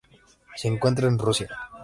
Se encuentra en Rusia.